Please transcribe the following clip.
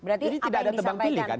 jadi tidak ada tebang pilih kan